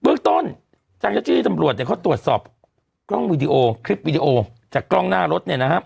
เบื้องต้นจังเจ้าชีวิตตำรวจเขาตรวจสอบกล้องวิดีโอคลิปวิดีโอจากกล้องหน้ารถ